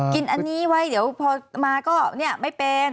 กินอันนี้ไว้เดี๋ยวพอมาก็ไม่เป็น